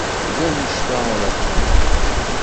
D anect-a ara xeddmeɣ.